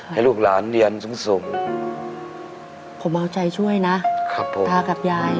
ให้ลูกหลานเรียนสูงสูงผมเอาใจช่วยนะครับผมตากับยาย